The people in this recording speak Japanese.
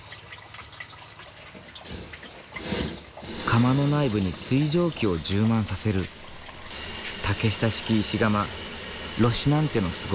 窯の内部に水蒸気を充満させる竹下式石窯ロシナンテのスゴ業。